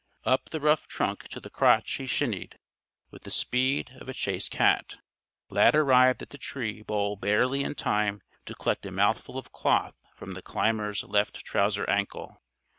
Up the rough trunk to the crotch he shinned with the speed of a chased cat. Lad arrived at the tree bole barely in time to collect a mouthful of cloth from the climber's left trouser ankle.